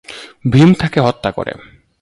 ভীম তাকে হত্যা করে।